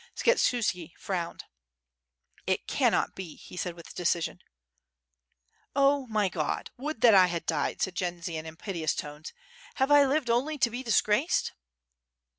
Skshetuski frowned. "It cannot be," he said with decision. "Oh, my God! would that I had died," said Jendzian, in piteous tones. "Have I lived only to be disgraced?"